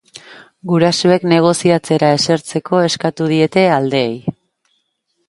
Gurasoek negoziatzera esertzeko eskatu diete aldeei.